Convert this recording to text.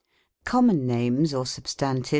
Common names, or substantive?